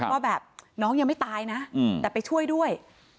ว่าแบบน้องยังไม่ตายนะแต่ไปช่วยด้วย